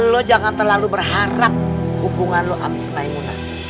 lo jangan terlalu berharap hubungan lo sama senayi munah